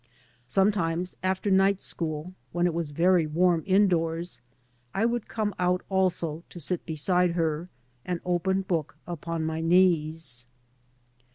Sometimes, after night school, when it was very warm indoors, I would come out also, to sit beside her, an open book upon my knees.